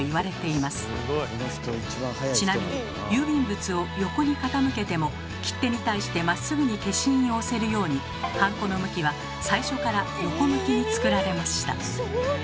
ちなみに郵便物を横に傾けても切手に対してまっすぐに消印を押せるようにハンコの向きは最初から横向きに作られました。